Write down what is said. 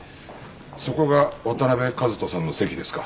そこが渡辺和登さんの席ですか？